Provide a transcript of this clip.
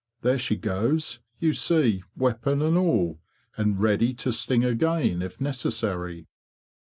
there she goes, you see, weapon and all; and ready to sting again if necessary."